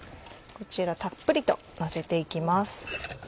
こちらたっぷりとのせて行きます。